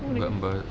enggak membahas itu